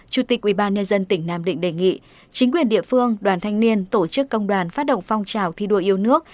chủ tịch ubnd tỉnh nam định đề nghị chính quyền địa phương đoàn thanh niên tổ chức công đoàn phát động phong trào thi đua yêu nước